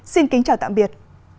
xin kính chào tạm biệt